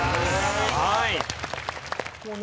はい。